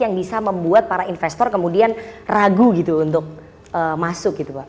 yang bisa membuat para investor kemudian ragu untuk masuk